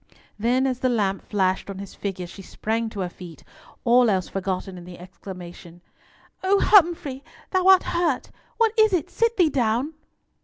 Then, as the lamp flashed on his figure, she sprang to her feet, all else forgotten in the exclamation. "O Humfrey, thou art hurt! What is it? Sit thee down."